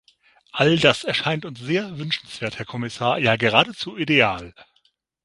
All das erscheint uns sehr wünschenswert, Herr Kommissar, ja geradezu ideal.